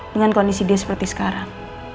dengan kondisi dia seperti sekarang